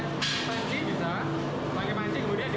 pakai panci kemudian diaduk pakai spatula